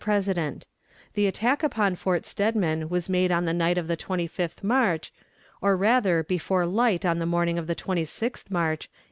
PRESIDENT: The attack upon Fort Steadman was made on the night of the 25th March, or rather before light on the morning of the 26th March, 1865.